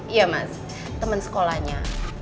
iya mas temen sekolahnya